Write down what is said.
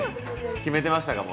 決めてましたか？